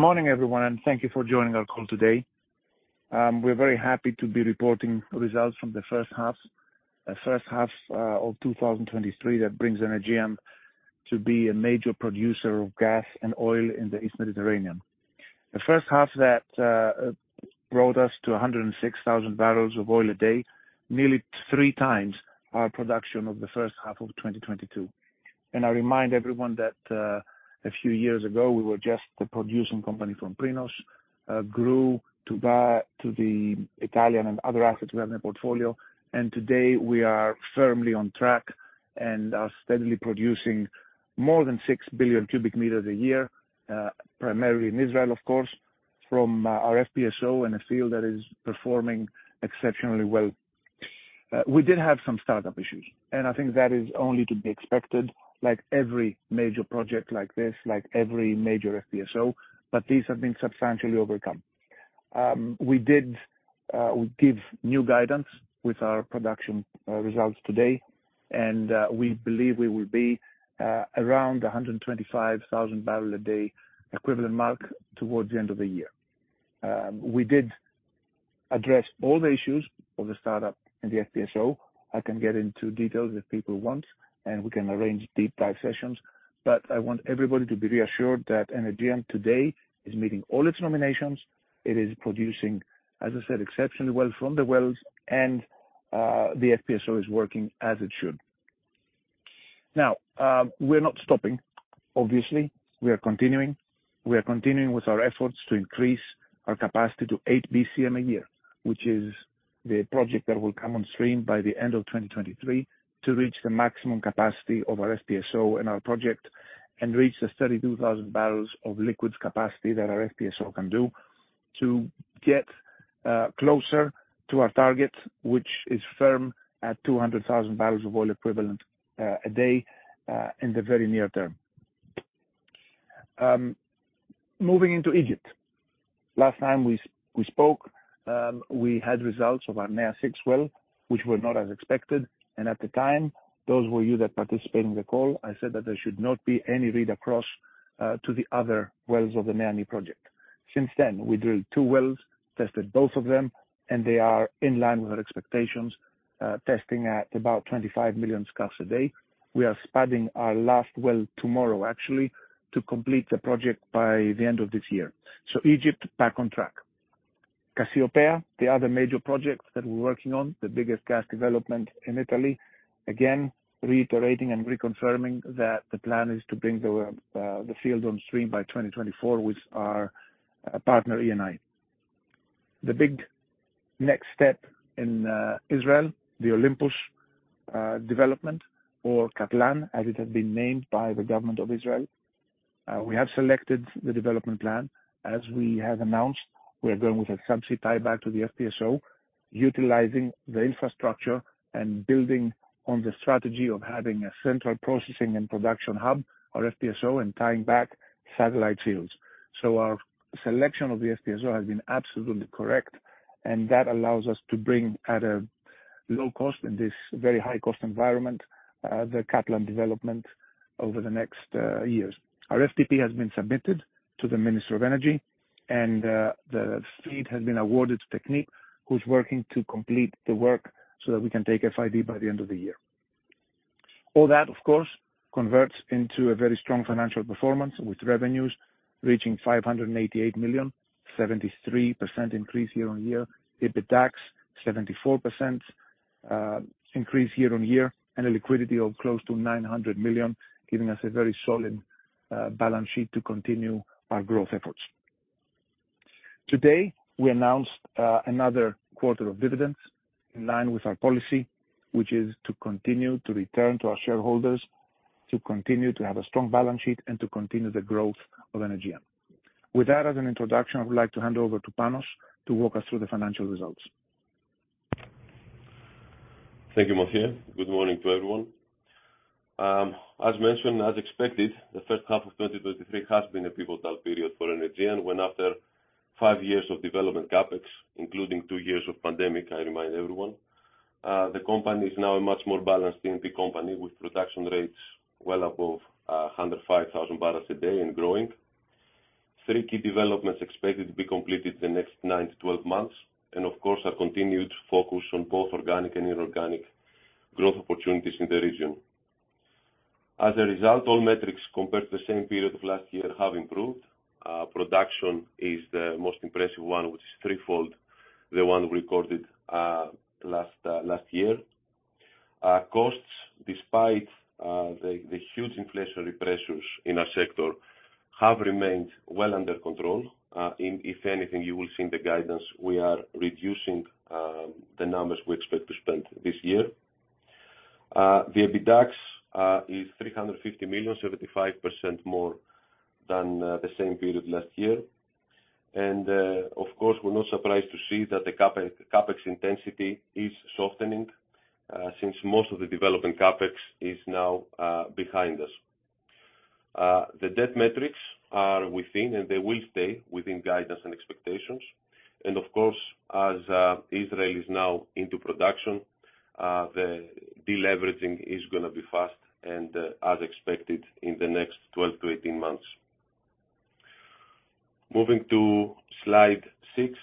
Good morning, everyone, and thank you for joining our call today. We're very happy to be reporting results from the first half of 2023, that brings Energean to be a major producer of gas and oil in the East Mediterranean. The first half that brought us to 106,000 bbl of oil a day, nearly three times our production of the first half of 2022. And I remind everyone that a few years ago, we were just a producing company from Prinos, grew to that, to the Italian and other assets we have in the portfolio. And today, we are firmly on track and are steadily producing more than 6 billion cbm a year, primarily in Israel, of course, from our FPSO, and a field that is performing exceptionally well. We did have some startup issues, and I think that is only to be expected, like every major project like this, like every major FPSO, but these have been substantially overcome. We did give new guidance with our production results today, and we believe we will be around 125,000 bbl a day equivalent mark towards the end of the year. We did address all the issues of the startup and the FPSO. I can get into details if people want, and we can arrange deep dive sessions, but I want everybody to be reassured that Energean today is meeting all its nominations. It is producing, as I said, exceptionally well from the wells, and the FPSO is working as it should. Now, we're not stopping. Obviously, we are continuing. We are continuing with our efforts to increase our capacity to 8 bcm a year, which is the project that will come on stream by the end of 2023, to reach the maximum capacity of our FPSO and our project, and reach the 32,000 bbl of liquids capacity that our FPSO can do, to get closer to our target, which is firm at 200,000 bbl of oil equivalent a day, in the very near term. Moving into Egypt. Last time we spoke, we had results of our NEA #6 well, which were not as expected, and at the time, those were you that participated in the call, I said that there should not be any read across to the other wells of the NEA/NI project. Since then, we drilled two wells, tested both of them, and they are in line with our expectations, testing at about 25 million scf/d. We are spudding our last well tomorrow, actually, to complete the project by the end of this year. So Egypt, back on track. Cassiopea, the other major project that we're working on, the biggest gas development in Italy. Again, reiterating and reconfirming that the plan is to bring the field on stream by 2024 with our partner, Eni. The big next step in Israel, the Olympus development or Katlan, as it has been named by the government of Israel. We have selected the development plan. As we have announced, we are going with a subsea tie-back to the FPSO, utilizing the infrastructure and building on the strategy of having a central processing and production hub, our FPSO, and tying back satellite fields. Our selection of the FPSO has been absolutely correct, and that allows us to bring, at a low cost in this very high-cost environment, the Katlan development over the next years. Our FDP has been submitted to the Minister of Energy, and the contract has been awarded to Technip, who is working to complete the work so that we can take FID by the end of the year. All that, of course, converts into a very strong financial performance, with revenues reaching $588 million, 73% increase year-on-year. EBITDAX, 74% increase year-on-year, and a liquidity of close to $900 million, giving us a very solid, balance sheet to continue our growth efforts. Today, we announced, another quarter of dividends in line with our policy, which is to continue to return to our shareholders, to continue to have a strong balance sheet and to continue the growth of Energean. With that as an introduction, I would like to hand over to Panos to walk us through the financial results. Thank you, Mathios. Good morning to everyone. As mentioned, as expected, the first half of 2023 has been a pivotal period for Energean, when after five years of development CapEx, including two years of pandemic, I remind everyone, the company is now a much more balanced E&P company, with production rates well above 105,000 bbl a day and growing. Three key developments expected to be completed in the next nine to 12 months, and of course, a continued focus on both organic and inorganic growth opportunities in the region. As a result, all metrics compared to the same period of last year have improved. Production is the most impressive one, which is threefold, the one recorded last year. Costs, despite the huge inflationary pressures in our sector, have remained well under control. In, if anything, you will see in the guidance we are reducing the numbers we expect to spend this year. The EBITDAX is $350 million, 75% more than the same period last year. Of course, we're not surprised to see that the CapEx, CapEx intensity is softening, since most of the development CapEx is now behind us. The debt metrics are within, and they will stay within guidance and expectations. Of course, as Israel is now into production, the deleveraging is gonna be fast and, as expected in the next 12-18 months. Moving to slide six,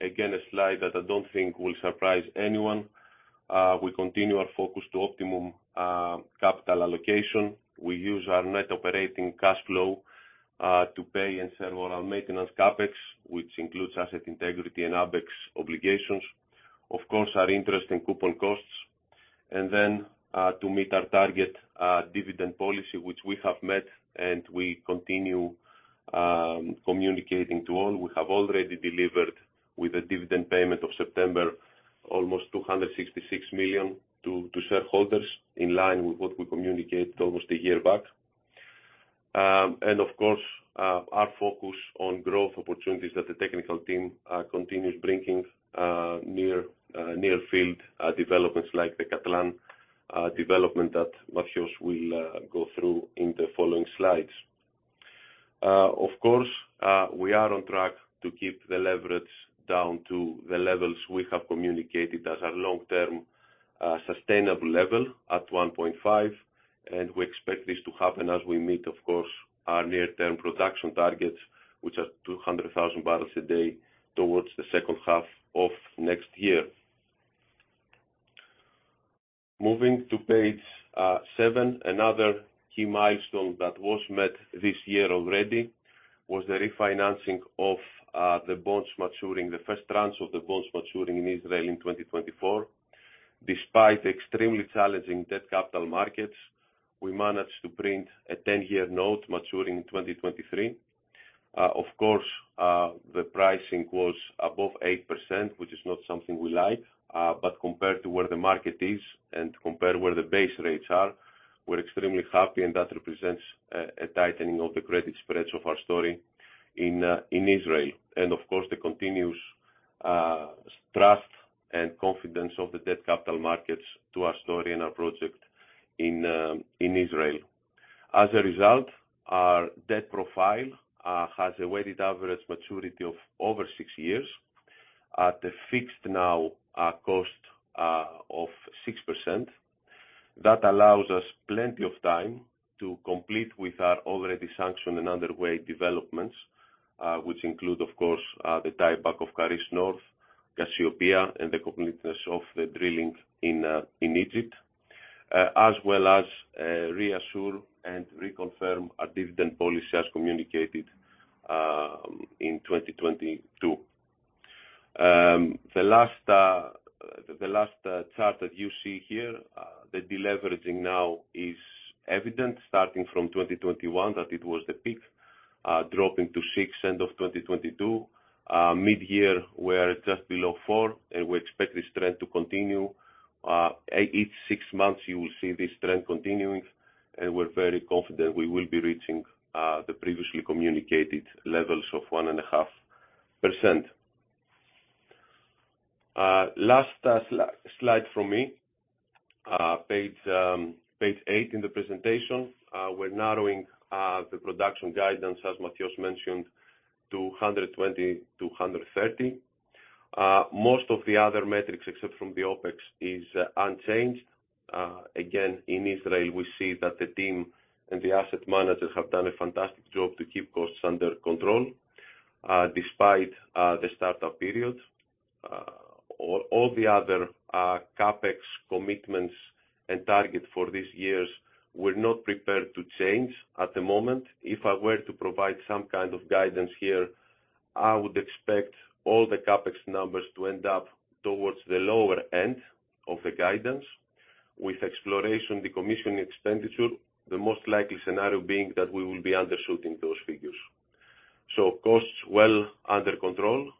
again, a slide that I don't think will surprise anyone. We continue our focus to optimum capital allocation. We use our net operating cash flow to pay and serve all our maintenance CapEx, which includes asset integrity and OpEx obligations. Of course, our interest and coupon costs, and then to meet our target dividend policy, which we have met, and we continue communicating to all. We have already delivered with a dividend payment of September, almost $266 million to shareholders, in line with what we communicated almost a year back. Of course, our focus on growth opportunities that the technical team continues bringing, near field developments like the Katlan development that Mathios will go through in the following slides. Of course, we are on track to keep the leverage down to the levels we have communicated as our long-term sustainable level at 1.5, and we expect this to happen as we meet, of course, our near-term production targets, which are 200,000 bbl a day towards the second half of next year. Moving to page seven, another key milestone that was met this year already was the refinancing of the bonds maturing, the first tranche of the bonds maturing in Israel in 2024. Despite extremely challenging debt capital markets, we managed to print a 10-year note maturing in 2023. Of course, the pricing was above 8%, which is not something we like, but compared to where the market is and compared where the base rates are, we're extremely happy, and that represents a tightening of the credit spreads of our story in Israel. Of course, the continuous trust and confidence of the debt capital markets to our story and our project in Israel. As a result, our debt profile has a weighted average maturity of over six years at a fixed now cost of 6%. That allows us plenty of time to complete with our already sanctioned and underway developments, which include, of course, the tieback of Karish North, Cassiopea, and the completeness of the drilling in Egypt. As well as reassure and reconfirm our dividend policy as communicated in 2022. The last chart that you see here, the deleveraging now is evident, starting from 2021, that it was the peak, dropping to 6 end of 2022. Mid-year, we're just below 4, and we expect this trend to continue. Each six months, you will see this trend continuing, and we're very confident we will be reaching the previously communicated levels of 1.5%. Last slide from me, page 8 in the presentation. We're narrowing the production guidance, as Mathios mentioned, to 120-130. Most of the other metrics, except from the OpEx, is unchanged. Again, in Israel, we see that the team and the asset managers have done a fantastic job to keep costs under control, despite the start-up period. All the other CapEx commitments and targets for this year, we're not prepared to change at the moment. If I were to provide some kind of guidance here, I would expect all the CapEx numbers to end up towards the lower end of the guidance, with exploration, the commissioning expenditure, the most likely scenario being that we will be undershooting those figures. So costs well under control,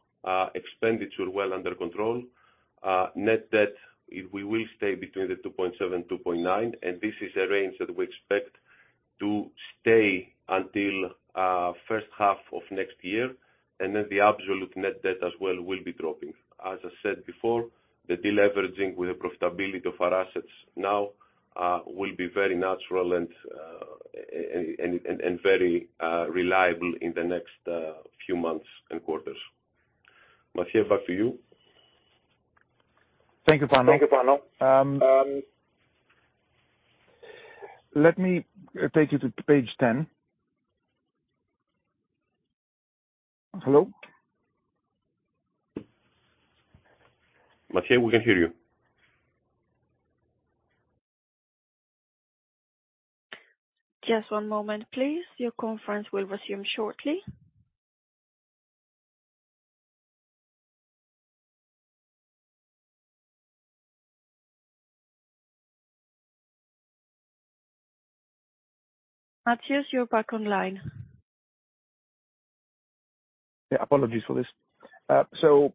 expenditure well under control, net debt, it will stay between $2.7-$2.9, and this is a range that we expect to stay until first half of next year, and then the absolute net debt as well will be dropping. As I said before, the deleveraging with the profitability of our assets now will be very natural and very reliable in the next few months and quarters. Mathios, back to you. Thank you, Panos. Let me take you to page 10. Hello? Mathios, we can't hear you. Just one moment, please. Your conference will resume shortly. Mathios, you're back online. Yeah, apologies for this. So,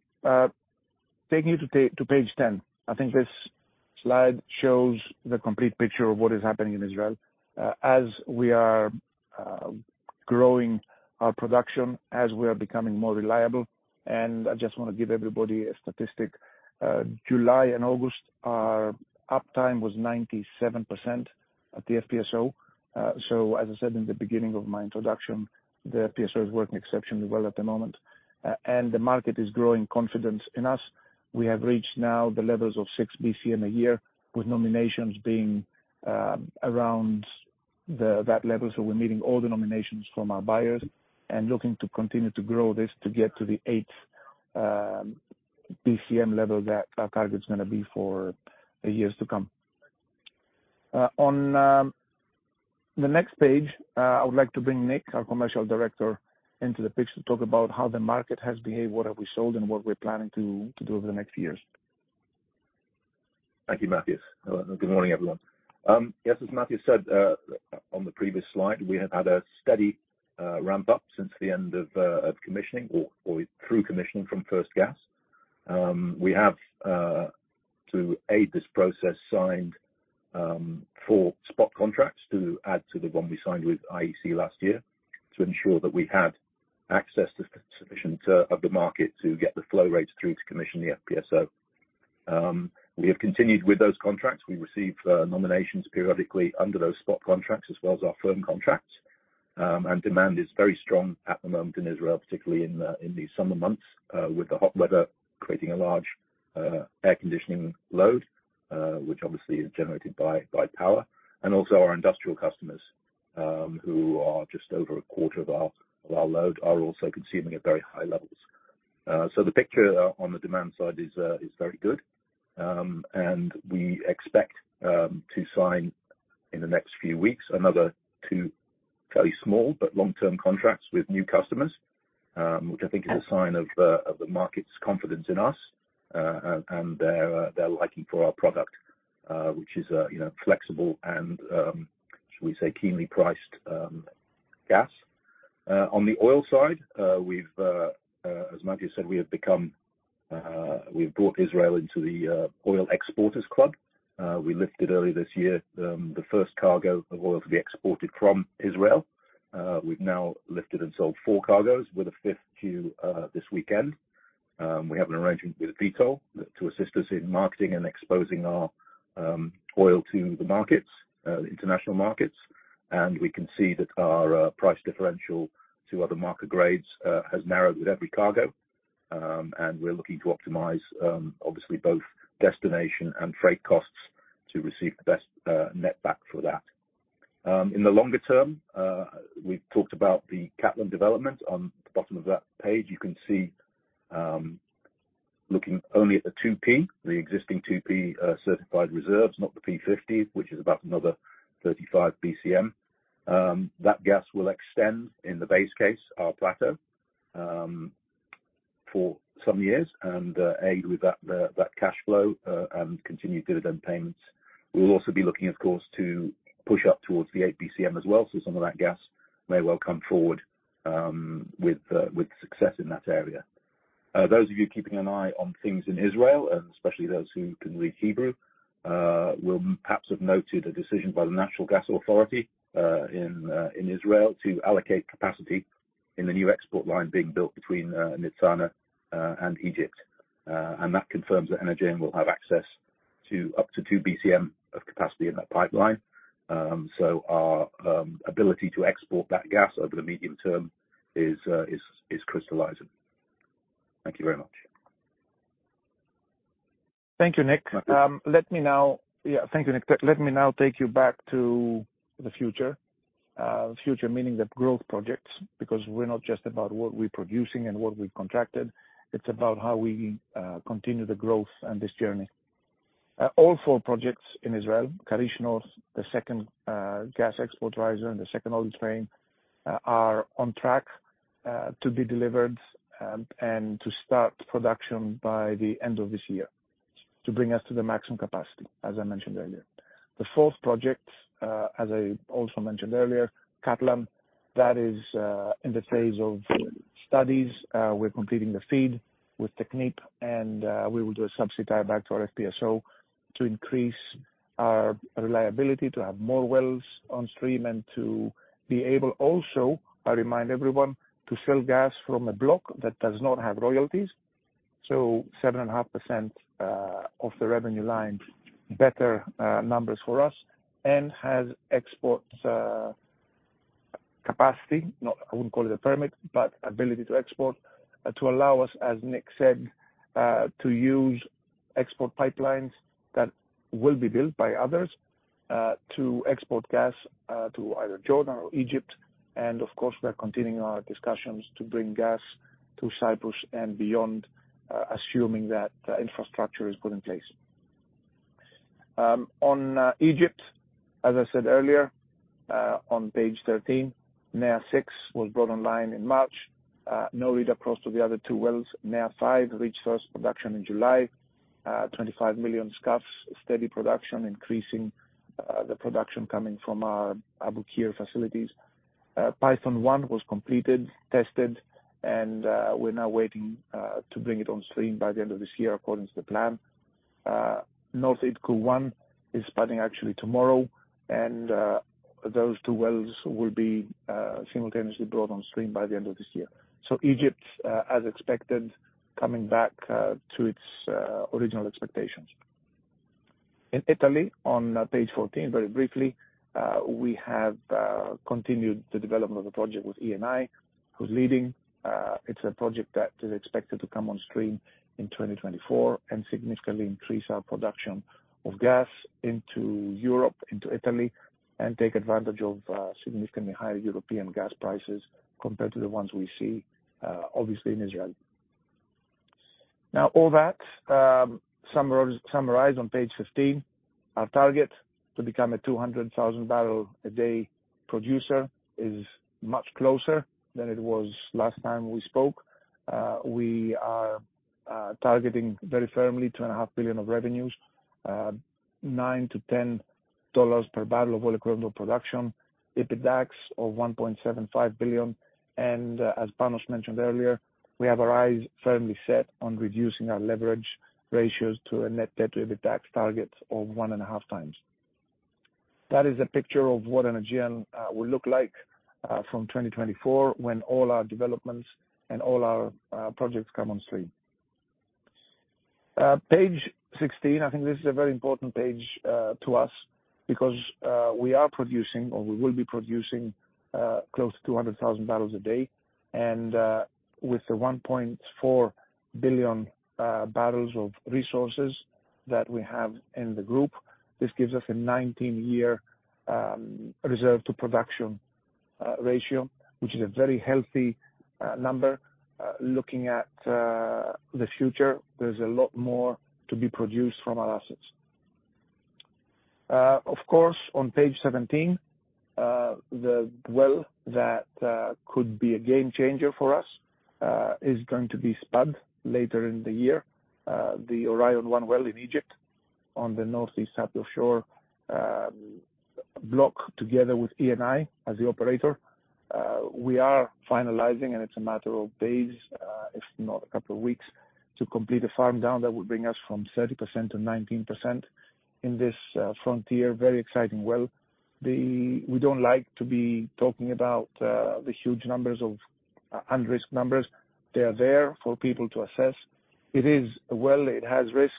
taking you to page 10, I think this slide shows the complete picture of what is happening in Israel. As we are growing our production, as we are becoming more reliable, and I just want to give everybody a statistic. July and August, our uptime was 97% at the FPSO. So as I said in the beginning of my introduction, the FPSO is working exceptionally well at the moment, and the market is growing confidence in us. We have reached now the levels of 6 bcm a year, with nominations being around that level, so we're meeting all the nominations from our buyers and looking to continue to grow this to get to the 8 bcm level that our target's gonna be for the years to come. On the next page, I would like to bring Nick, our commercial director, into the picture to talk about how the market has behaved, what have we sold, and what we're planning to do over the next years. Thank you, Mathios. Good morning, everyone. Yes, as Mathios said, on the previous slide, we have had a steady ramp up since the end of commissioning or through commissioning from First Gas. We have, to aid this process, signed four spot contracts to add to the one we signed with IEC last year, to ensure that we had access to sufficient of the market to get the flow rates through to commission the FPSO. We have continued with those contracts. We received nominations periodically under those spot contracts, as well as our firm contracts. Demand is very strong at the moment in Israel, particularly in the summer months, with the hot weather creating a large air conditioning load, which obviously is generated by power. Also our industrial customers, who are just over a quarter of our load, are also consuming at very high levels. So the picture on the demand side is very good. And we expect to sign in the next few weeks another two fairly small but long-term contracts with new customers, which I think is a sign of the market's confidence in us, and their liking for our product, which is, you know, flexible and, should we say, keenly priced gas. On the oil side, as Mathios said, we have become, we've brought Israel into the oil exporters club. We lifted early this year the first cargo of oil to be exported from Israel. We've now lifted and sold four cargoes with a 5th due this weekend. We have an arrangement with Vitol to assist us in marketing and exposing our oil to the markets, the international markets. We can see that our price differential to other market grades has narrowed with every cargo. We're looking to optimize, obviously, both destination and freight costs to receive the best netback for that. In the longer term, we've talked about the Katlan development. On the bottom of that page, you can see, looking only at the 2P, the existing 2P certified reserves, not the P50, which is about another 35 bcm. That gas will extend, in the base case, our plateau, for some years, and aid with that, that cash flow, and continued dividend payments. We'll also be looking, of course, to push up towards the 8 bcm as well. So some of that gas may well come forward, with success in that area. Those of you keeping an eye on things in Israel, and especially those who can read Hebrew, will perhaps have noted a decision by the Natural Gas Authority, in Israel, to allocate capacity in the new export line being built between Nitzana and Egypt. And that confirms that Energean will have access to up to 2 bcm of capacity in that pipeline. So our ability to export that gas over the medium term is crystallizing. Thank you very much. Thank you, Nick. Mathios. Yeah, thank you, Nick. Let me now take you back to the future. Future meaning the growth projects, because we're not just about what we're producing and what we've contracted, it's about how we continue the growth and this journey. All four projects in Israel, Karish North, the second gas export riser and the second oil train, are on track to be delivered and to start production by the end of this year, to bring us to the maximum capacity, as I mentioned earlier. The fourth project, as I also mentioned earlier, Katlan, that is in the phase of studies. We're completing the FEED with Technip, and we will do a subsea tie-back to our FPSO to increase our reliability, to have more wells on stream, and to be able also, I remind everyone, to sell gas from a block that does not have royalties. So 7.5% of the revenue line, better numbers for us, and has export capacity. Not, I wouldn't call it a permit, but ability to export to allow us, as Nick said, to use export pipelines that will be built by others to export gas to either Jordan or Egypt. And of course, we are continuing our discussions to bring gas to Cyprus and beyond, assuming that infrastructure is put in place. On Egypt, as I said earlier, on page 13, NEA #6 was brought online in March. No read across to the other two wells. NEA #5 reached first production in July, 25 million scf/d, steady production, increasing, the production coming from our Abu Qir facilities. Python-1 was completed, tested, and, we're now waiting, to bring it on stream by the end of this year, according to the plan. North Idku is starting actually tomorrow, and-... Those two wells will be, simultaneously brought on stream by the end of this year. So Egypt, as expected, coming back, to its, original expectations. In Italy, on page 14, very briefly, we have, continued the development of the project with Eni, who's leading. It's a project that is expected to come on stream in 2024, and significantly increase our production of gas into Europe, into Italy, and take advantage of significantly higher European gas prices compared to the ones we see, obviously, in Israel. Now, all that, summarized on page 15. Our target to become a 200,000 bbl a day producer is much closer than it was last time we spoke. We are targeting very firmly $2.5 billion of revenues, $9-$10 per barrel of oil equivalent production, EBITDAX of $1.75 billion, and, as Panos mentioned earlier, we have our eyes firmly set on reducing our leverage ratios to a net debt to EBITDAX target of 1.5 times. That is a picture of what Energean will look like from 2024, when all our developments and all our projects come on stream. Page 16, I think this is a very important page to us because we are producing, or we will be producing, close to 200,000 bbl a day. And with the 1.4 billion bbl of resources that we have in the group, this gives us a 19-year reserve to production ratio, which is a very healthy number. Looking at the future, there's a lot more to be produced from our assets. Of course, on page 17, the well that could be a game changer for us is going to be spud later in the year. The Orion-1 well in Egypt, on the northeast offshore block, together with Eni as the operator. We are finalizing, and it's a matter of days, if not a couple of weeks, to complete a farm down that will bring us from 30%-19% in this frontier. Very exciting well. We don't like to be talking about the huge numbers of unrisked numbers. They are there for people to assess. It is a well, it has risk,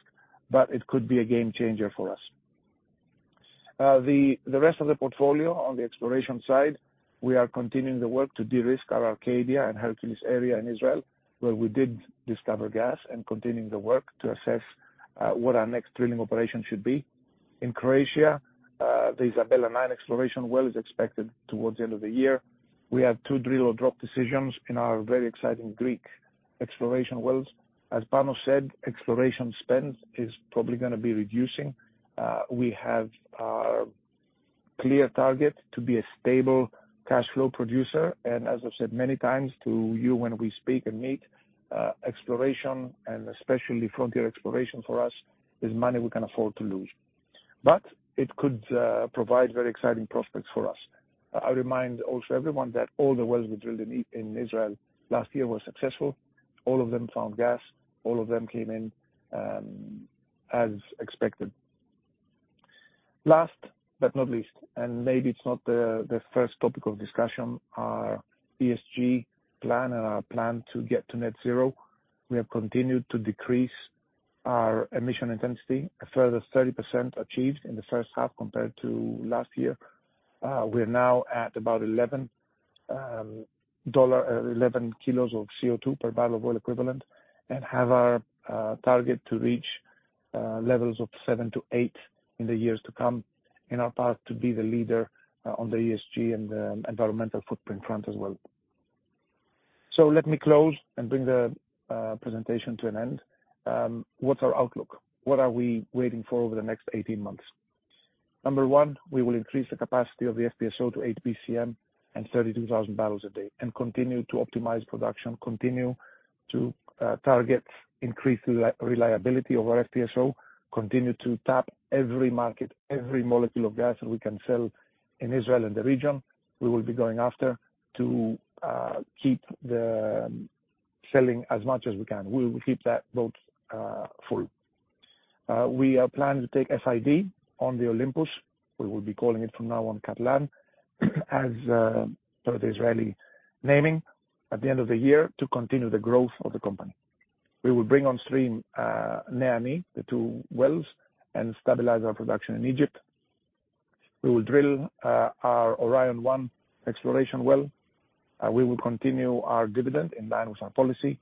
but it could be a game changer for us. The rest of the portfolio on the exploration side, we are continuing the work to de-risk our Arcadia and Hercules area in Israel, where we did discover gas, and continuing the work to assess what our next drilling operation should be. In Croatia, the Izabela-9 exploration well is expected towards the end of the year. We have two drill or drop decisions in our very exciting Greek exploration wells. As Panos said, exploration spend is probably gonna be reducing. We have a clear target to be a stable cash flow producer, and as I've said many times to you when we speak and meet, exploration, and especially frontier exploration for us, is money we can afford to lose. But it could provide very exciting prospects for us. I remind also everyone that all the wells we drilled in in Israel last year were successful. All of them found gas, all of them came in, as expected. Last, but not least, and maybe it's not the first topic of discussion, our ESG plan and our plan to get to net zero. We have continued to decrease our emission intensity. A further 30% achieved in the first half compared to last year. We are now at about 11kg of CO2 per barrel of oil equivalent, and have our target to reach levels of 7-8 in the years to come, in our path to be the leader on the ESG and environmental footprint front as well. So let me close and bring the presentation to an end. What's our outlook? What are we waiting for over the next 18 months? Number one, we will increase the capacity of the FPSO to 8 bcm and 32,000 bbl a day, and continue to optimize production, continue to target increased reliability of our FPSO, continue to tap every market, every molecule of gas that we can sell in Israel and the region, we will be going after to keep the selling as much as we can. We will keep that boat full. We are planning to take FID on the Olympus. We will be calling it from now on Katlan, as per the Israeli naming, at the end of the year, to continue the growth of the company. We will bring on stream NEA/NI, the two wells, and stabilize our production in Egypt. We will drill our Orion One exploration well, we will continue our dividend in line with our policy,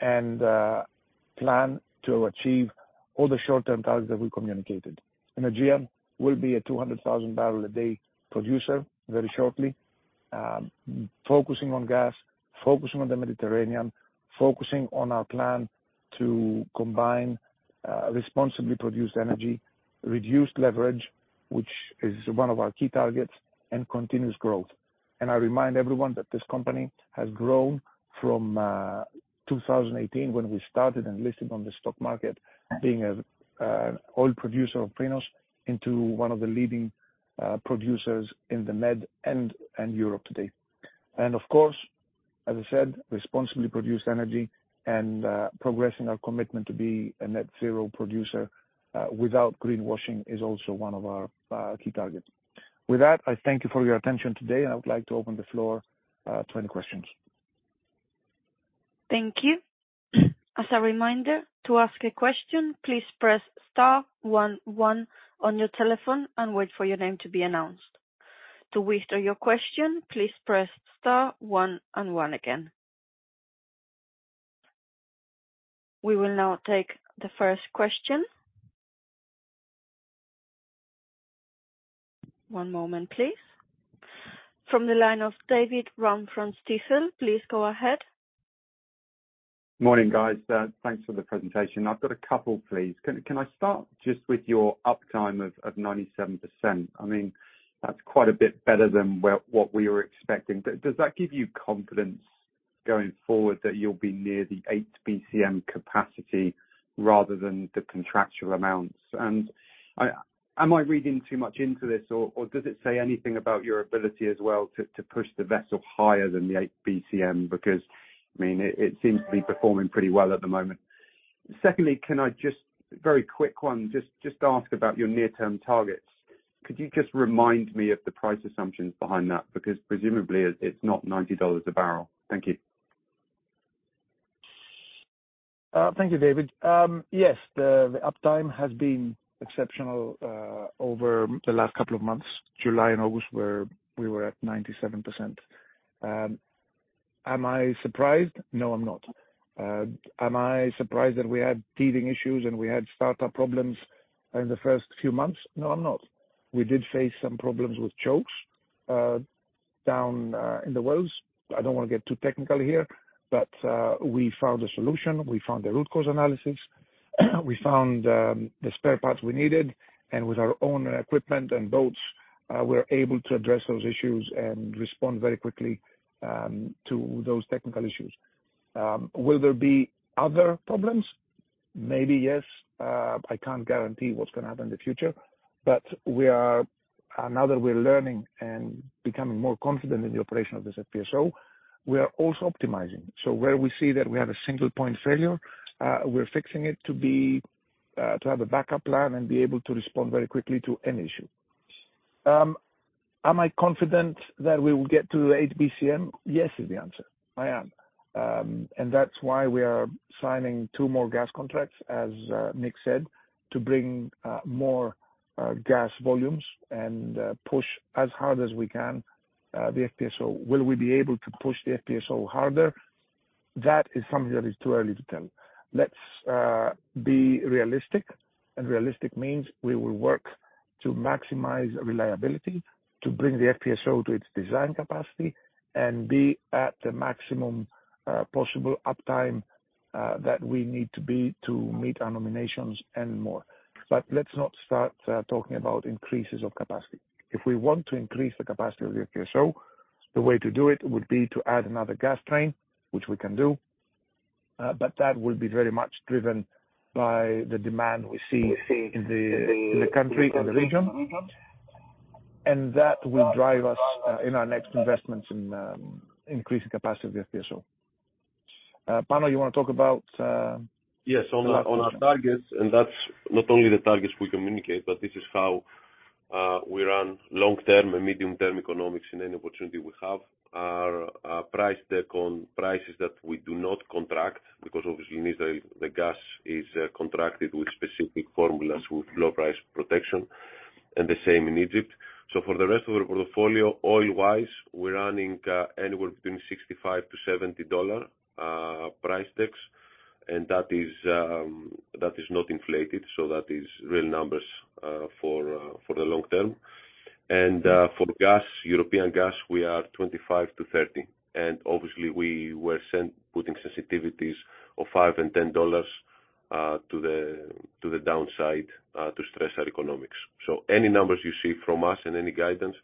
and plan to achieve all the short-term targets that we communicated. Energean will be a 200,000 bbl a day producer very shortly, focusing on gas, focusing on the Mediterranean, focusing on our plan to combine responsibly produced energy, reduced leverage, which is one of our key targets, and continuous growth. And I remind everyone that this company has grown from 2018, when we started and listed on the stock market, being a oil producer of Prinos, into one of the leading producers in the Med and Europe today. And of course, as I said, responsibly produced energy and progressing our commitment to be a Net Zero producer without greenwashing is also one of our key targets. With that, I thank you for your attention today, and I would like to open the floor to any questions. Thank you. As a reminder, to ask a question, please press star one one on your telephone and wait for your name to be announced. To withdraw your question, please press star one and one again. We will now take the first question. One moment, please. From the line of David Round from Stifel, please go ahead. Morning, guys, thanks for the presentation. I've got a couple, please. Can I start just with your uptime of 97%? I mean, that's quite a bit better than what we were expecting. Does that give you confidence going forward that you'll be near the 8 bcm capacity rather than the contractual amounts? And am I reading too much into this, or does it say anything about your ability as well to push the vessel higher than the 8 bcm? Because, I mean, it seems to be performing pretty well at the moment. Secondly, can I just very quick one, just ask about your near-term targets. Could you just remind me of the price assumptions behind that? Because presumably, it's not $90 a barrel. Thank you. Thank you, David. Yes, the uptime has been exceptional over the last couple of months. July and August, we were at 97%. Am I surprised? No, I'm not. Am I surprised that we had teething issues, and we had startup problems in the first few months? No, I'm not. We did face some problems with chokes down in the wells. I don't want to get too technical here, but we found a solution. We found a root cause analysis. We found the spare parts we needed, and with our own equipment and boats, we're able to address those issues and respond very quickly to those technical issues. Will there be other problems? Maybe, yes. I can't guarantee what's gonna happen in the future, but we are... Now that we're learning and becoming more confident in the operation of this FPSO, we are also optimizing. So where we see that we have a single-point failure, we're fixing it to be to have a backup plan and be able to respond very quickly to any issue. Am I confident that we will get to 8 bcm? Yes, is the answer. I am. And that's why we are signing two more gas contracts, as Nick said, to bring more gas volumes and push as hard as we can the FPSO. Will we be able to push the FPSO harder? That is something that is too early to tell. Let's be realistic, and realistic means we will work to maximize reliability, to bring the FPSO to its design capacity, and be at the maximum possible uptime that we need to be to meet our nominations and more. But let's not start talking about increases of capacity. If we want to increase the capacity of the FPSO, the way to do it would be to add another gas train, which we can do, but that will be very much driven by the demand we see in the country and the region. And that will drive us in our next investments in increasing capacity of the FPSO. Panos, you want to talk about- Yes, on our, on our targets, and that's not only the targets we communicate, but this is how we run long-term and medium-term economics in any opportunity we have. Our price deck on prices that we do not contract, because obviously, the gas is contracted with specific formulas with low price protection, and the same in Egypt. So for the rest of our portfolio, oil-wise, we're running anywhere between $65-$70 price decks, and that is not inflated, so that is real numbers for the long term. And for gas, European gas, we are $25-$30, and obviously, we're putting sensitivities of $5 and $10 to the downside to stress our economics. So any numbers you see from us and any guidance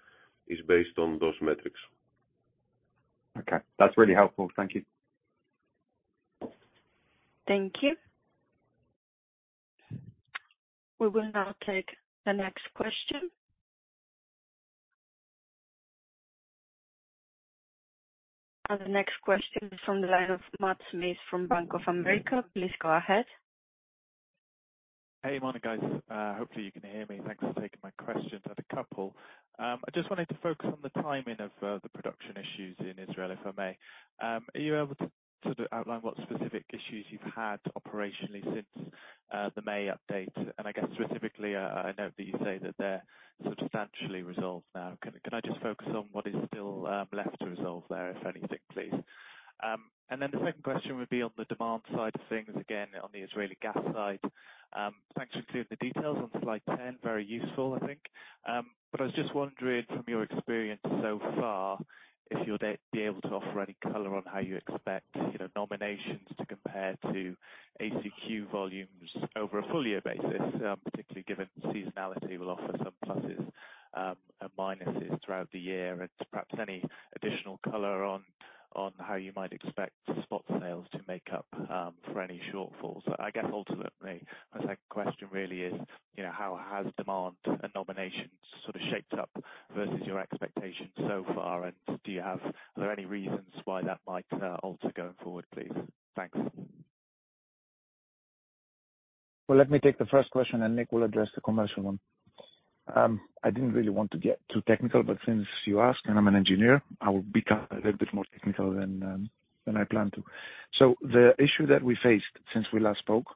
is based on those metrics. Okay. That's really helpful. Thank you. Thank you. We will now take the next question. And the next question is from the line of Matt Smith from Bank of America. Please go ahead. Hey, morning, guys. Hopefully you can hear me. Thanks for taking my questions. I have a couple. I just wanted to focus on the timing of the production issues in Israel, if I may. Are you able to sort of outline what specific issues you've had operationally since the May update? And I guess specifically, I note that you say that they're substantially resolved now. Can I just focus on what is still left to resolve there, if anything, please? And then the second question would be on the demand side of things, again, on the Israeli gas side. Thanks for including the details on slide 10, very useful, I think. But I was just wondering from your experience so far, if you'd be able to offer any color on how you expect, you know, nominations to compare to ACQ volumes over a full year basis, particularly given seasonality will offer some pluses and minuses throughout the year, and perhaps any additional color on- on how you might expect spot sales to make up for any shortfalls. I guess ultimately, my second question really is, you know, how has demand and nominations sort of shaped up versus your expectations so far? And do you have-- are there any reasons why that might alter going forward, please? Thanks. Well, let me take the first question, and Nick will address the commercial one. I didn't really want to get too technical, but since you asked, and I'm an engineer, I will become a little bit more technical than than I planned to. So the issue that we faced since we last spoke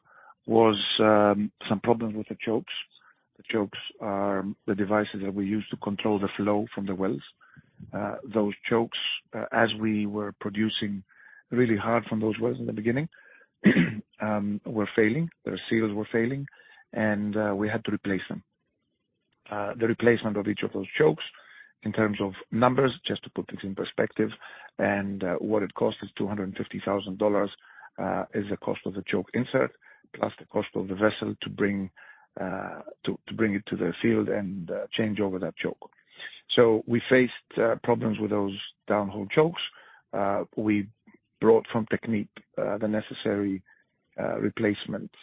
was some problems with the chokes. The chokes are the devices that we use to control the flow from the wells. Those chokes, as we were producing really hard from those wells in the beginning, were failing, their seals were failing, and we had to replace them. The replacement of each of those chokes, in terms of numbers, just to put this in perspective, and what it costs, is $250,000, is the cost of the choke insert, plus the cost of the vessel to bring it to the field and change over that choke. So we faced problems with those downhole chokes. We brought from Technip the necessary replacements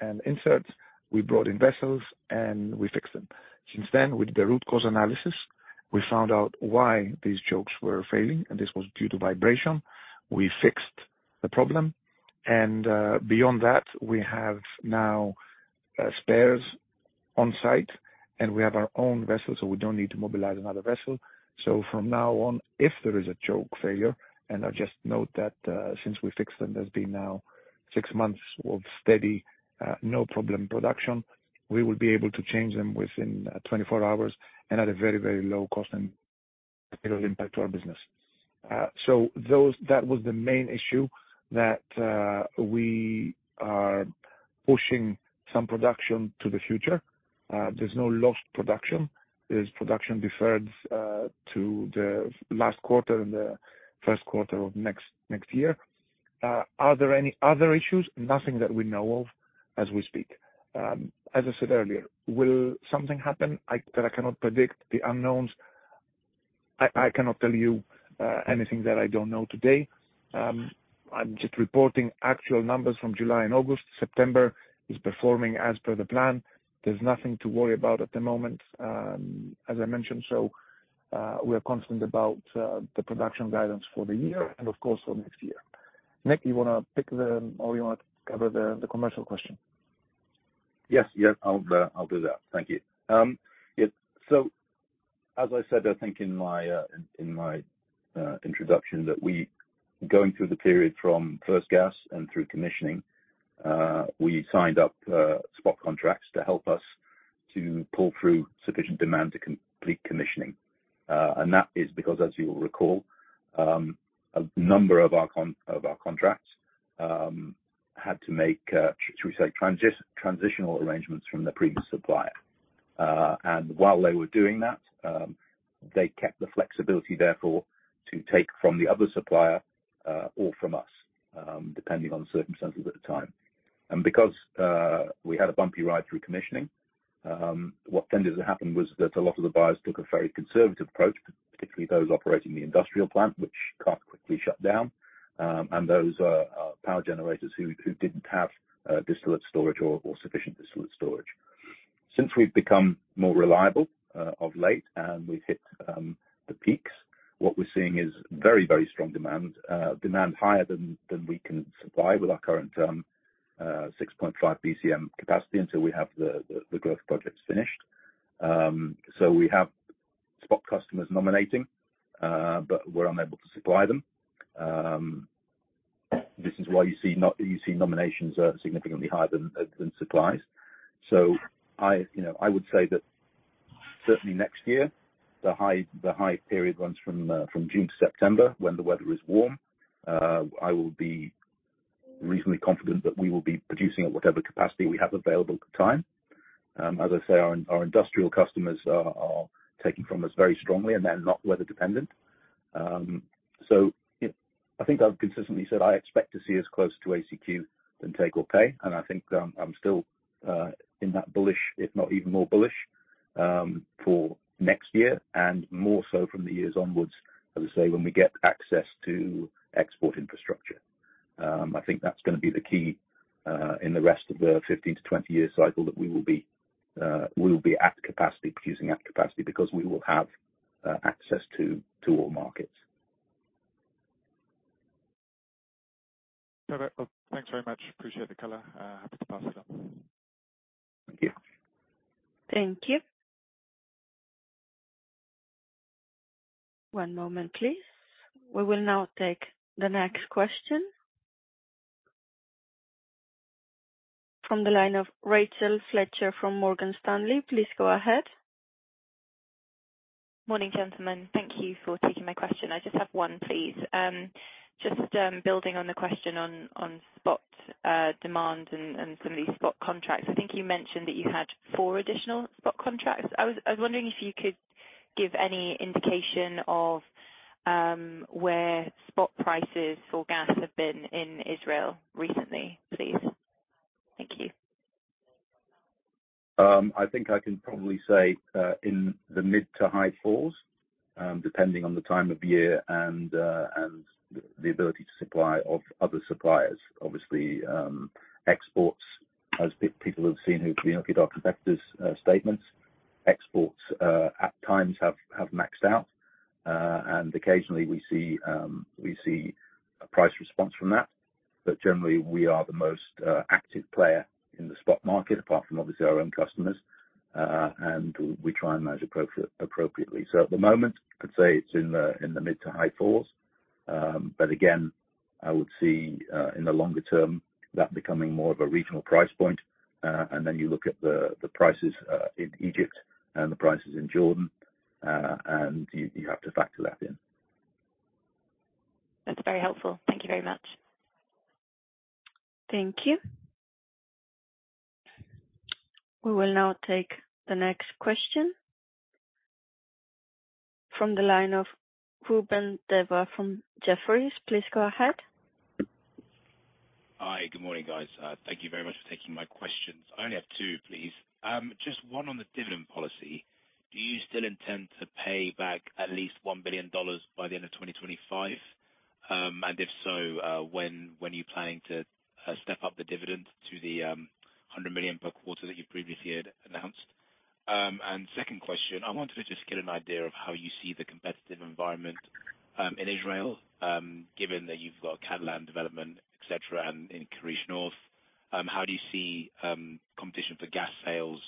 and inserts. We brought in vessels, and we fixed them. Since then, with the root cause analysis, we found out why these chokes were failing, and this was due to vibration. We fixed the problem, and beyond that, we have now spares on site, and we have our own vessel, so we don't need to mobilize another vessel. From now on, if there is a choke failure, and I just note that, since we fixed them, there's been six months of steady, no problem production. We will be able to change them within 24 hours and at a very, very low cost, and it will impact our business. So those... That was the main issue, that we are pushing some production to the future. There's no lost production. There's production deferred to the last quarter and the first quarter of next year. Are there any other issues? Nothing that we know of, as we speak. As I said earlier, will something happen? I cannot predict the unknowns. I cannot tell you anything that I don't know today. I'm just reporting actual numbers from July and August. September is performing as per the plan. There's nothing to worry about at the moment, as I mentioned, so, we are confident about, the production guidance for the year and of course, for next year. Nick, you want to pick the, or you want to cover the, the commercial question? Yes, yes, I'll do that. Thank you. Yes. So, as I said, I think in my introduction, that we going through the period from first gas and through commissioning, we signed up spot contracts to help us to pull through sufficient demand to complete commissioning. And that is because, as you'll recall, a number of our contracts had to make, should we say, transitional arrangements from the previous supplier. And while they were doing that, they kept the flexibility, therefore, to take from the other supplier, or from us, depending on circumstances at the time. Because we had a bumpy ride through commissioning, what tended to happen was that a lot of the buyers took a very conservative approach, particularly those operating the industrial plant, which can't quickly shut down, and those power generators who didn't have distillate storage or sufficient distillate storage. Since we've become more reliable of late, and we've hit the peaks, what we're seeing is very, very strong demand. Demand higher than we can supply with our current 6.5 bcm capacity until we have the growth projects finished. So we have spot customers nominating, but we're unable to supply them. This is why you see nominations are significantly higher than supplies. So I, you know, I would say that certainly next year, the high, the high period runs from, from June to September, when the weather is warm. I will be reasonably confident that we will be producing at whatever capacity we have available at the time. As I say, our, our industrial customers are, are taking from us very strongly, and they're not weather dependent. So, yeah, I think I've consistently said I expect to see us closer to ACQ than take or pay, and I think, I'm still in that bullish, if not even more bullish, for next year, and more so from the years onwards, as I say, when we get access to export infrastructure. I think that's gonna be the key in the rest of the 15-20-year cycle, that we will be at capacity, producing at capacity, because we will have access to all markets. Thanks very much. Appreciate the color. Happy to pass it on. Thank you. Thank you. One moment, please. We will now take the next question. From the line of Rachel Fletcher from Morgan Stanley, please go ahead. Morning, gentlemen. Thank you for taking my question. I just have one, please. Just, building on the question on, on spot demand and, and some of these spot contracts. I think you mentioned that you had four additional spot contracts. I was, I was wondering if you could give any indication of, where spot prices for gas have been in Israel recently, please? Thank you. I think I can probably say, in the mid to high fours, depending on the time of year and the ability to supply of other suppliers. Obviously, exports, as people have seen who have been looking at our competitors' statements, exports at times have maxed out. And occasionally we see a price response from that, but generally, we are the most active player in the spot market, apart from obviously our own customers. And we try and manage appropriately. So at the moment, I'd say it's in the mid to high fours. But again, I would see, in the longer term, that becoming more of a regional price point. And then you look at the prices in Egypt and the prices in Jordan, and you have to factor that in. That's very helpful. Thank you very much. Thank you. We will now take the next question. From the line of Ruben Dewa from Jefferies. Please go ahead. Hi, good morning, guys. Thank you very much for taking my questions. I only have two, please. Just one on the dividend policy. Do you still intend to pay back at least $1 billion by the end of 2025? And if so, when are you planning to step up the dividend to the $100 million per quarter that you previously had announced? And second question, I wanted to just get an idea of how you see the competitive environment in Israel, given that you've got Katlan development, et cetera, and in Karish North. How do you see competition for gas sales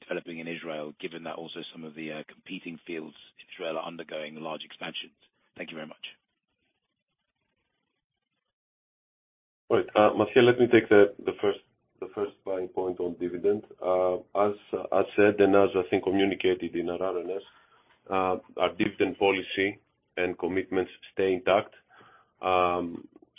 developing in Israel, given that also some of the competing fields in Israel are undergoing large expansions? Thank you very much. Right. Mathios, let me take the first buying point on dividend. As I said, and as I think communicated in our RNS, our dividend policy and commitments stay intact.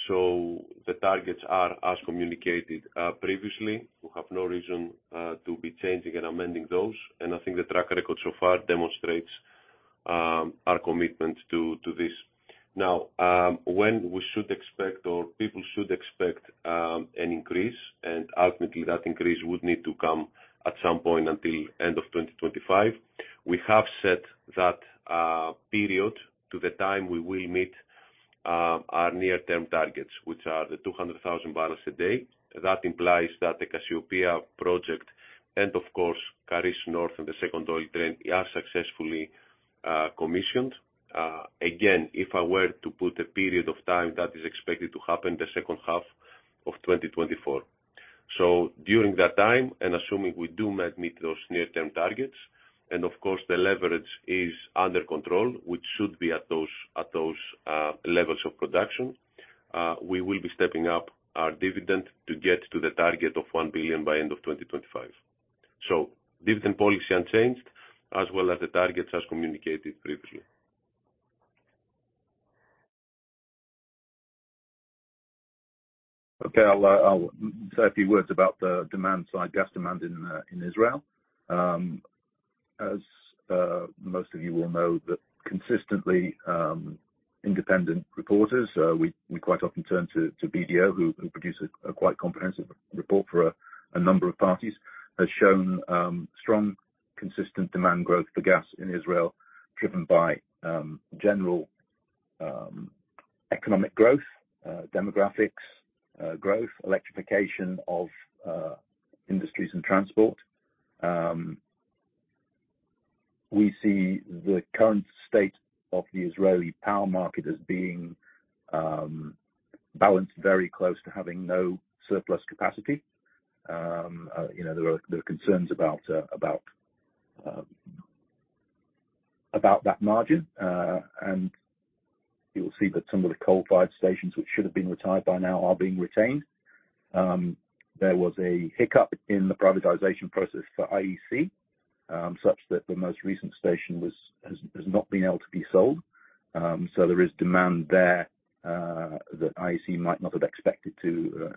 So the targets are as communicated previously. We have no reason to be changing and amending those, and I think the track record so far demonstrates our commitment to this. Now, when we should expect or people should expect an increase, and ultimately that increase would need to come at some point until end of 2025, we have set that period to the time we will meet our near-term targets, which are the 200,000 bbl a day. That implies that the Cassiopea project, and of course, Karish North and the second oil trend, are successfully commissioned. Again, if I were to put a period of time, that is expected to happen the second half of 2024. So during that time, and assuming we do meet those near-term targets, and of course, the leverage is under control, which should be at those, at those, levels of production, we will be stepping up our dividend to get to the target of $1 billion by end of 2025. So dividend policy unchanged, as well as the targets as communicated previously. Okay, I'll say a few words about the demand side, gas demand in Israel. As most of you will know, that consistently independent reports we quite often turn to BDO, who produce a quite comprehensive report for a number of parties, has shown strong, consistent demand growth for gas in Israel, driven by general economic growth, demographics growth, electrification of industries and transport. We see the current state of the Israeli power market as being balanced very close to having no surplus capacity. You know, there are concerns about that margin. And you'll see that some of the coal-fired stations which should have been retired by now are being retained. There was a hiccup in the privatization process for IEC, such that the most recent station has not been able to be sold. So there is demand there that IEC might not have expected to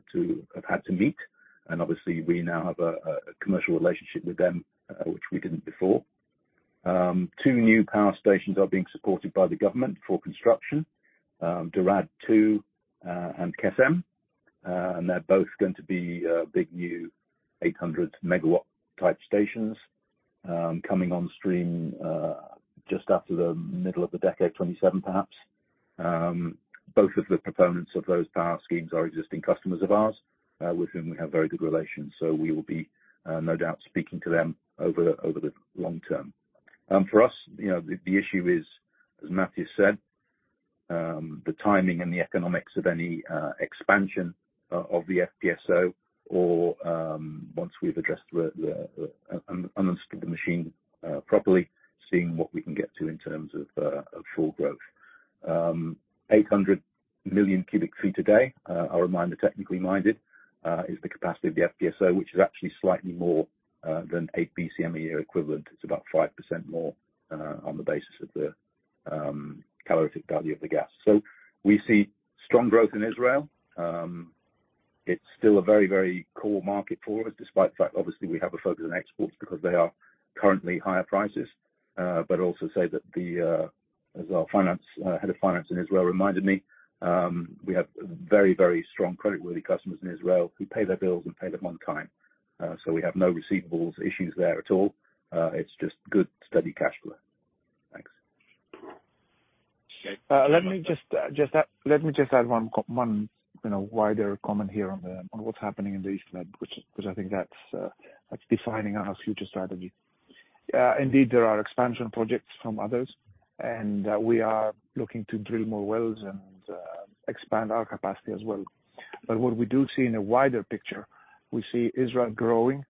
have had to meet. And obviously, we now have a commercial relationship with them, which we didn't before. Two new power stations are being supported by the government for construction, Dorad Two and Kesem. And they're both going to be big new 800 MW type stations, coming on stream just after the middle of the decade, 2027 perhaps. Both of the proponents of those power schemes are existing customers of ours, with whom we have very good relations, so we will be no doubt speaking to them over the long term. For us, you know, the issue is, as Mathios said, the timing and the economics of any expansion of the FPSO or, once we've addressed the unstuck the machine properly, seeing what we can get to in terms of full growth. 800 million cu ft a day, I'll remind the technically minded, is the capacity of the FPSO, which is actually slightly more than 8 bcm a year equivalent. It's about 5% more on the basis of the calorific value of the gas. So we see strong growth in Israel. It's still a very, very core market for us, despite the fact obviously we have a focus on exports, because they are-... Currently higher prices, but also, as our Head of Finance in Israel reminded me, we have very, very strong creditworthy customers in Israel who pay their bills and pay them on time. So we have no receivables issues there at all. It's just good, steady cash flow. Thanks. Let me just add one, you know, wider comment here on what's happening in the East Med, which I think that's defining our future strategy. Indeed, there are expansion projects from others, and we are looking to drill more wells and expand our capacity as well. But what we do see in a wider picture, we see Israel growing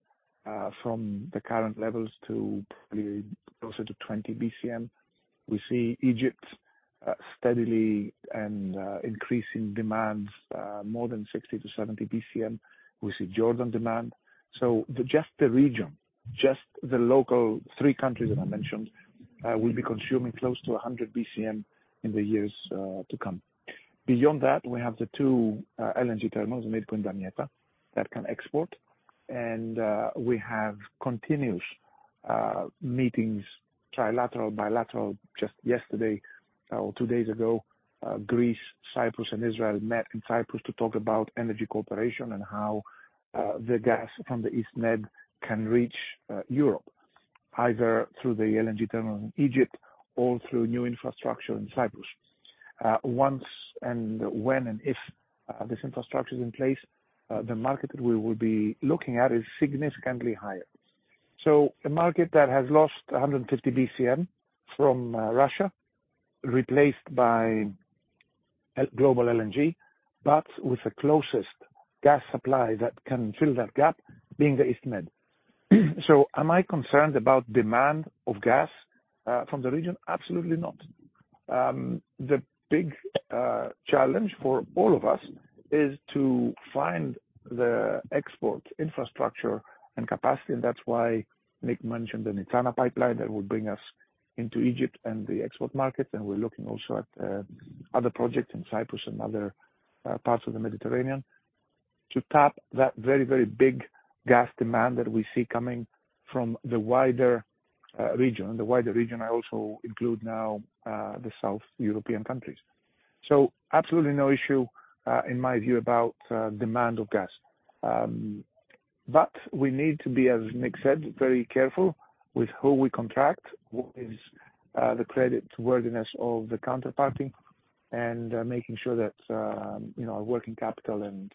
from the current levels to probably closer to 20 bcm. We see Egypt steadily and increasing demands more than 60-70 bcm. We see Jordan demand. So the just the local three countries that I mentioned will be consuming close to 100 bcm in the years to come. Beyond that, we have the two LNG terminals, Idku and Damietta, that can export. We have continuous meetings, trilateral, bilateral. Just yesterday or two days ago, Greece, Cyprus and Israel met in Cyprus to talk about energy cooperation and how the gas from the East Med can reach Europe, either through the LNG terminal in Egypt or through new infrastructure in Cyprus. Once and when and if this infrastructure is in place, the market that we will be looking at is significantly higher. So a market that has lost 150 bcm from Russia, replaced by global LNG, but with the closest gas supply that can fill that gap being the East Med. So am I concerned about demand of gas from the region? Absolutely not. The big challenge for all of us is to find the export infrastructure and capacity, and that's why Nick mentioned the Nitzana pipeline that will bring us into Egypt and the export market. We're looking also at other projects in Cyprus and other parts of the Mediterranean, to tap that very, very big gas demand that we see coming from the wider region. The wider region I also include now the South European countries. Absolutely no issue in my view about demand of gas. But we need to be, as Nick said, very careful with who we contract, what is the creditworthiness of the counterparty, and making sure that, you know, our working capital and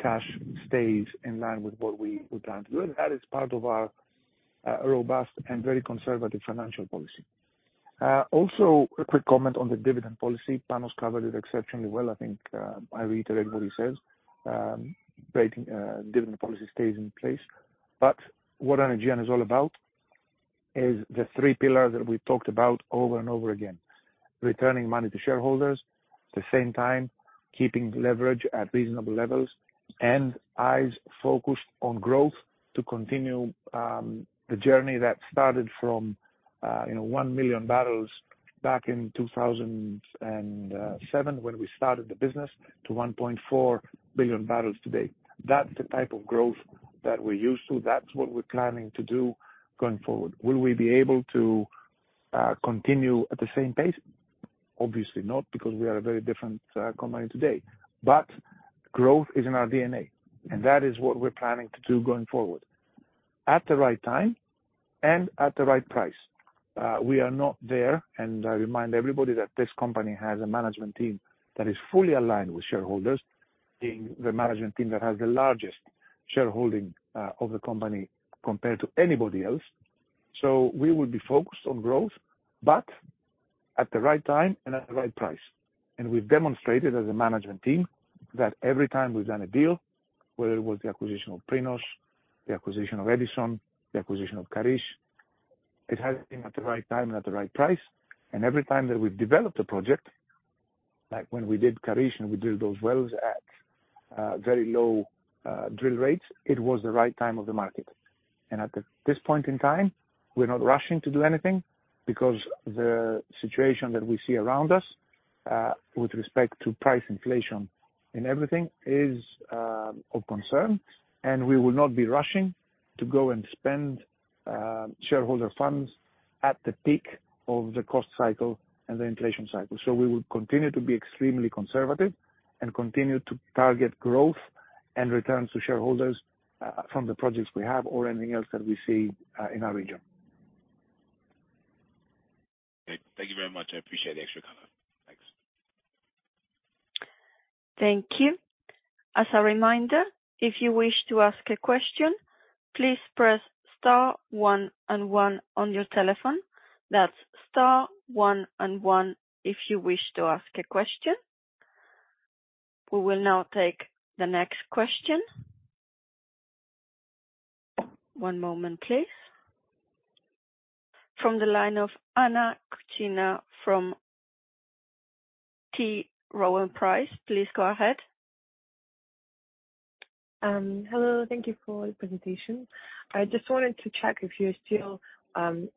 cash stays in line with what we would plan to do. That is part of our robust and very conservative financial policy. Also, a quick comment on the dividend policy. Panos covered it exceptionally well, I think. I reiterate what he says. Our dividend policy stays in place, but what Energean is all about is the three pillars that we've talked about over and over again, returning money to shareholders, at the same time, keeping leverage at reasonable levels and eyes focused on growth to continue the journey that started from, you know, 1 million bbl back in 2007, when we started the business, to 1.4 billion bbl today. That's the type of growth that we're used to. That's what we're planning to do going forward. Will we be able to continue at the same pace? Obviously not, because we are a very different company today. But growth is in our DNA, and that is what we're planning to do going forward, at the right time and at the right price. We are not there, and I remind everybody that this company has a management team that is fully aligned with shareholders, being the management team that has the largest shareholding of the company compared to anybody else. So we will be focused on growth, but at the right time and at the right price. And we've demonstrated as a management team that every time we've done a deal, whether it was the acquisition of Prinos, the acquisition of Edison, the acquisition of Karish, it has been at the right time and at the right price. Every time that we've developed a project, like when we did Karish, and we drilled those wells at very low drill rates, it was the right time of the market. At this point in time, we're not rushing to do anything because the situation that we see around us with respect to price inflation and everything is of concern, and we will not be rushing to go and spend shareholder funds at the peak of the cost cycle and the inflation cycle. We will continue to be extremely conservative and continue to target growth and returns to shareholders from the projects we have or anything else that we see in our region. Great. Thank you very much. I appreciate the extra color. Thanks. Thank you. As a reminder, if you wish to ask a question, please press star one and one on your telephone. That's star one and one, if you wish to ask a question. We will now take the next question. One moment, please. From the line of Anna Kuchina from T. Rowe Price, please go ahead. Hello. Thank you for your presentation. I just wanted to check if you're still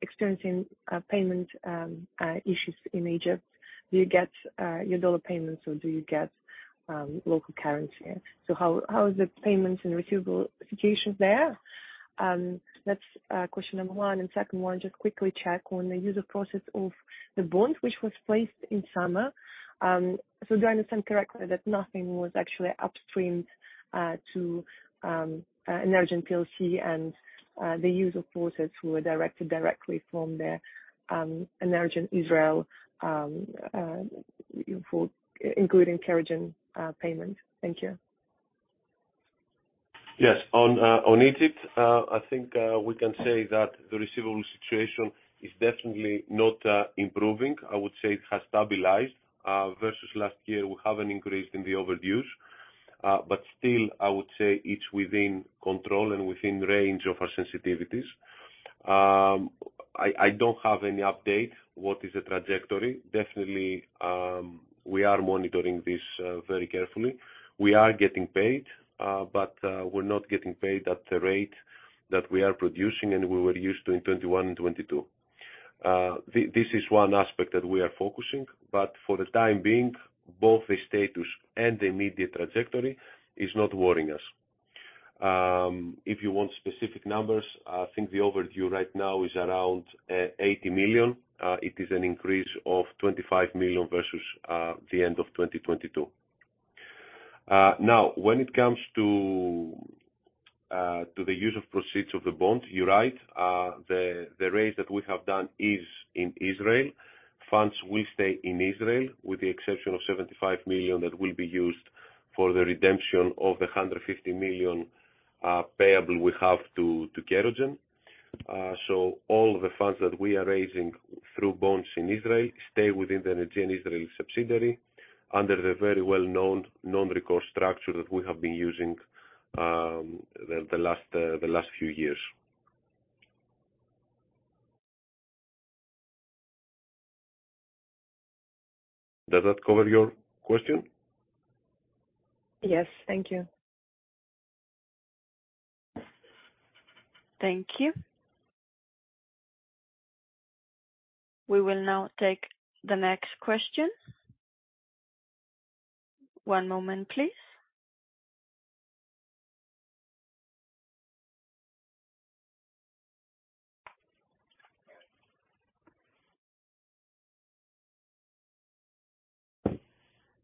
experiencing payment issues in Egypt. Do you get your dollar payments, or do you get- local currency. So how is the payments and receivable situation there? That's question number one. And second one, just quickly check on the use of proceeds of the bond which was placed in summer. So do I understand correctly that nothing was actually upstreamed to Energean plc, and the use of proceeds were directed directly from the Energean Israel for including Kerogen payment? Thank you. Yes. On Egypt, I think we can say that the receivable situation is definitely not improving. I would say it has stabilized. Versus last year, we have an increase in the overdues, but still, I would say it's within control and within range of our sensitivities. I don't have any update, what is the trajectory. Definitely, we are monitoring this very carefully. We are getting paid, but we're not getting paid at the rate that we are producing and we were used to in 2021 and 2022. This is one aspect that we are focusing, but for the time being, both the status and the immediate trajectory is not worrying us. If you want specific numbers, I think the overdue right now is around $80 million. It is an increase of $25 million versus the end of 2022. Now, when it comes to the use of proceeds of the bonds, you're right. The raise that we have done is in Israel. Funds will stay in Israel, with the exception of $75 million that will be used for the redemption of the $150 million payable we have to Kerogen. So all the funds that we are raising through bonds in Israel stay within the Energean Israel subsidiary, under the very well-known non-recourse structure that we have been using, the last few years. Does that cover your question? Yes. Thank you. Thank you. We will now take the next question. One moment, please.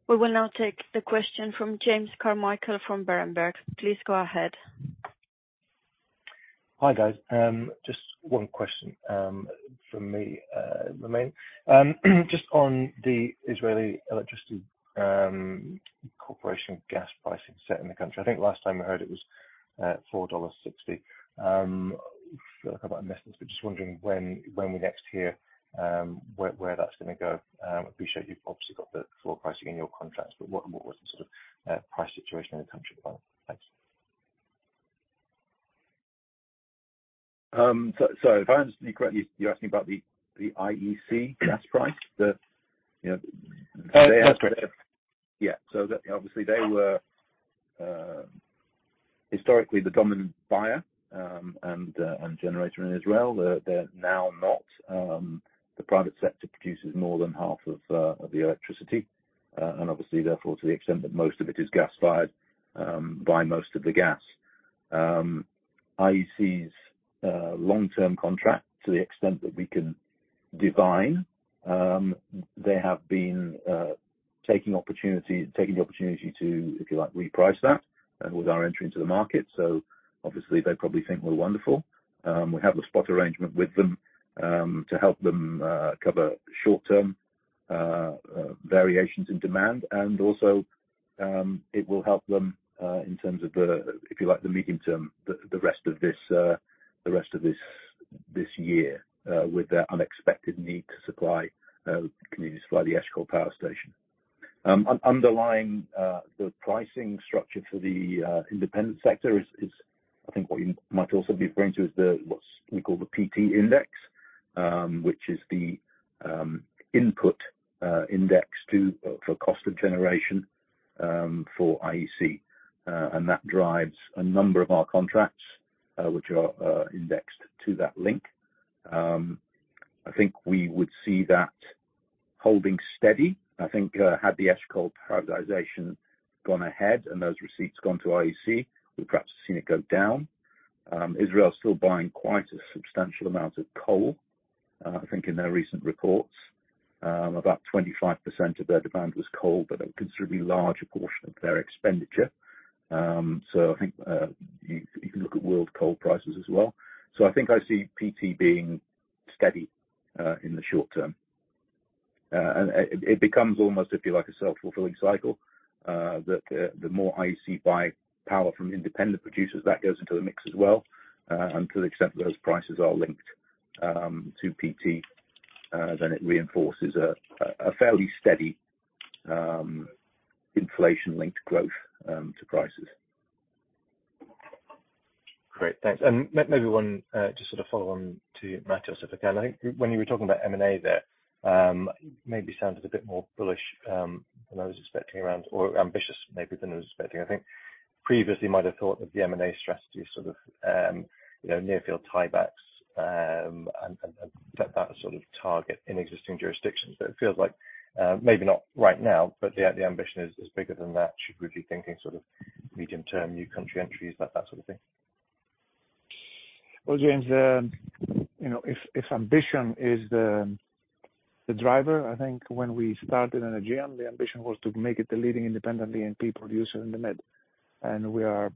We will now take the question from James Carmichael from Berenberg. Please go ahead. Hi, guys. Just one question from me remaining. Just on the Israel Electric Corporation gas pricing set in the country. I think last time I heard it was $4.60. Feel like I might have missed this, but just wondering when we next hear where that's gonna go. Appreciate you've obviously got the floor pricing in your contracts, but what was the sort of price situation in the country? Thanks. So, if I understand you correctly, you're asking about the IEC gas price, you know- That's correct. Yeah. So that obviously they were historically the dominant buyer and generator in Israel. They're now not. The private sector produces more than half of the electricity, and obviously, therefore, to the extent that most of it is gas-fired, buy most of the gas. IEC's long-term contract, to the extent that we can divine, they have been taking the opportunity to, if you like, reprice that and with our entry into the market, so obviously they probably think we're wonderful. We have the spot arrangement with them to help them cover short-term variations in demand. And also, it will help them, in terms of the, if you like, the medium term, the rest of this year, with the unexpected need to supply, can supply the Eshkol Power Station. Underlying, the pricing structure for the, independent sector is, I think what you might also be referring to is the, what's we call the PT Index, which is the, input, index to, for cost of generation, for IEC. And that drives a number of our contracts, which are, indexed to that link. I think we would see that holding steady. I think, had the Eshkol privatization gone ahead and those receipts gone to IEC, we'd perhaps have seen it go down. Israel is still buying quite a substantial amount of coal. I think in their recent reports, about 25% of their demand was coal, but a considerably larger portion of their expenditure. So I think you can look at world coal prices as well. So I think I see PT being steady in the short term. And it becomes almost, if you like, a self-fulfilling cycle that the more IEC buy power from independent producers, that goes into the mix as well. And to the extent those prices are linked to PT, then it reinforces a fairly steady inflation-linked growth to prices. Great. Thanks. And maybe one just sort of follow on to Matt, just if I can. I think when you were talking about M&A there, maybe sounded a bit more bullish than I was expecting around, or ambitious, maybe, than I was expecting, I think.... Previously might have thought that the M&A strategy sort of, you know, near field tie-backs, and, and, and set that sort of target in existing jurisdictions. But it feels like, maybe not right now, but the, the ambition is, is bigger than that. Should we be thinking sort of medium term, new country entries, that, that sort of thing? Well, James, you know, if ambition is the driver, I think when we started in Energean, the ambition was to make it the leading independent E&P producer in the Med, and we are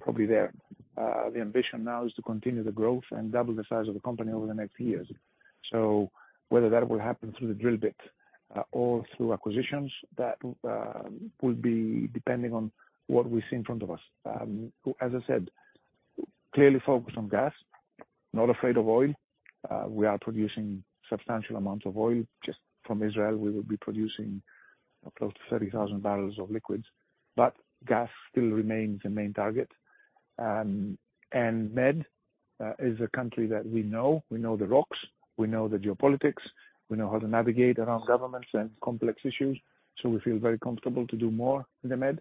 probably there. The ambition now is to continue the growth and double the size of the company over the next years. So whether that will happen through the drill bit, or through acquisitions, that will be depending on what we see in front of us. As I said, clearly focused on gas, not afraid of oil. We are producing substantial amounts of oil. Just from Israel, we will be producing close to 30,000 bbl of liquids, but gas still remains the main target. And the Med is a country that we know. We know the rocks, we know the geopolitics, we know how to navigate around governments and complex issues, so we feel very comfortable to do more in the Med.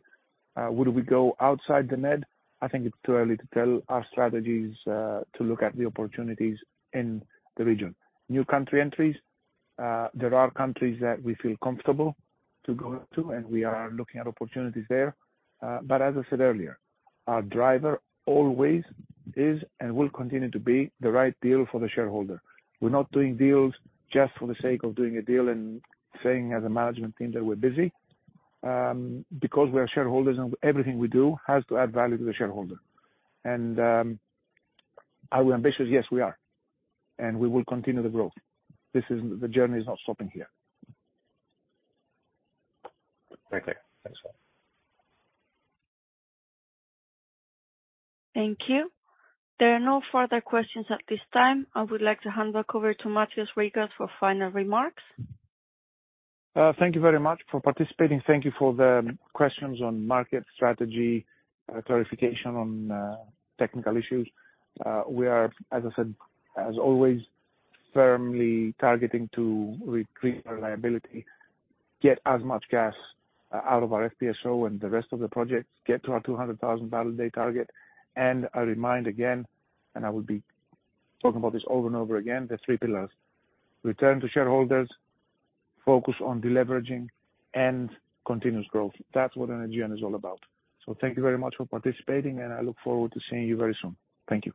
Would we go outside the Med? I think it's too early to tell. Our strategy is to look at the opportunities in the region. New country entries, there are countries that we feel comfortable to go to, and we are looking at opportunities there. But as I said earlier, our driver always is, and will continue to be, the right deal for the shareholder. We're not doing deals just for the sake of doing a deal and saying, as a management team, that we're busy, because we are shareholders, and everything we do has to add value to the shareholder. Are we ambitious? Yes, we are, and we will continue the growth. This is... The journey is not stopping here. Very clear. Thanks a lot. Thank you. There are no further questions at this time. I would like to hand back over to Mathios Rigas for final remarks. Thank you very much for participating. Thank you for the questions on market strategy, clarification on technical issues. We are, as I said, as always, firmly targeting to reduce our leverage, get as much gas out of our FPSO and the rest of the projects, get to our 200,000 bbl a day target. I remind again, and I will be talking about this over and over again, the three pillars: return to shareholders, focus on deleveraging, and continuous growth. That's what Energean is all about. Thank you very much for participating, and I look forward to seeing you very soon. Thank you.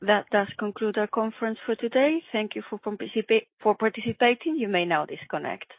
That does conclude our conference for today. Thank you for participating. You may now disconnect.